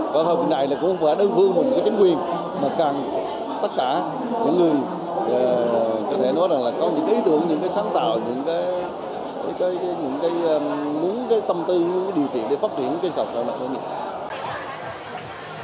và hôm nay cũng là đơn vương của chính quyền mà càng tất cả những người có những ý tưởng những sáng tạo những tâm tư điều kiện để phát triển cây cầu cầu lập nghiệp